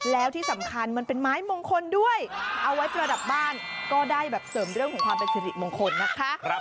แล้วที่สำคัญมันเป็นไม้มงคลด้วยเอาไว้ประดับบ้านก็ได้แบบเสริมเรื่องของความเป็นสิริมงคลนะคะ